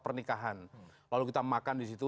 pernikahan lalu kita makan di situ